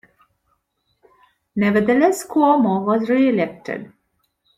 Nevertheless, Cuomo was re-elected.